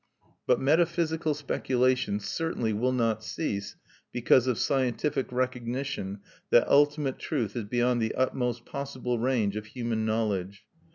But metaphysical speculation certainly will not cease because of scientific recognition that ultimate truth is beyond the utmost possible range of human knowledge.